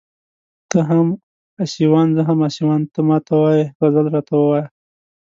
ته هم اسيوان زه هم اسيوان ته ما ته وايې غزل راته ووايه